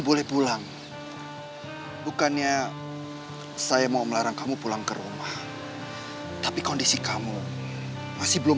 boleh pulang bukannya saya mau melarang kamu pulang ke rumah tapi kondisi kamu masih belum